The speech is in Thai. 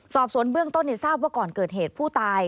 สอบสวนเบื้องต้นทราบว่าก่อนเกิดเหตุผู้ตาย